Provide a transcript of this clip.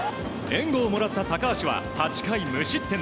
援護をもらった高橋は８回無失点。